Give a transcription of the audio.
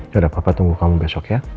ya papa tunggu kamu besok ya